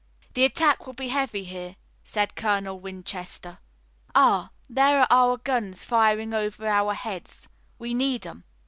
"The attack will be heavy here," said Colonel Winchester. "Ah, there are our guns firing over our heads. We need 'em."